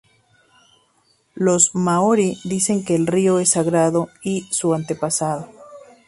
Los maorí dicen que el río es sagrado, y su antepasado.